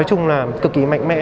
nói chung là cực kỳ mạnh mẽ